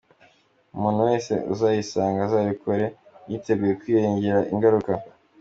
Umuntu wese uzayigana azabikore yiteguye kwirengera ingaruka.”